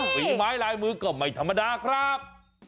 ฝีไม้ลายมือก็ไม่ธรรมดาครับ